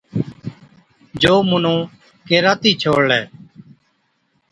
جو مُنُون ڪيراتِي ڇوڙلَي۔